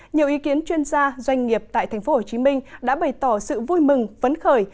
nhiều ý kiến chuyên gia doanh nghiệp tại tp hcm đã bày tỏ sự vui mừng vấn khởi